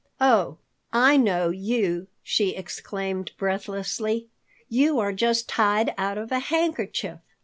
] "Oh, I know you!" she exclaimed breathlessly. "You are just tied out of a handkerchief.